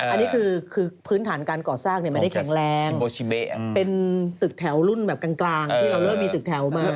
อันนี้คือพื้นฐานการก่อสร้างไม่ได้แข็งแรงเป็นตึกแถวรุ่นแบบกลางที่เราเริ่มมีตึกแถวมา